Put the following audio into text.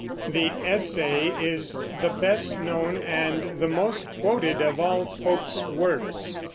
The "Essay" is the best known and the most quoted of all Pope's works.